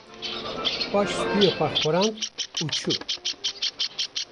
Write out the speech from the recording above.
Paş stûyê xwe xurand û çû